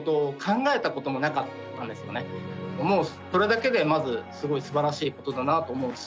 もうそれだけでまずすごいすばらしいことだなと思うし。